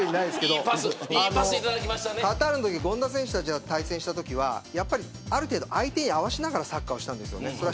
カタールのときに権田選手たちが対戦したときはある程度、相手に合わせながらサッカーをしてたんです。